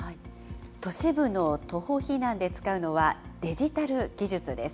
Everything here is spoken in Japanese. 都市部の徒歩避難で使うのはデジタル技術です。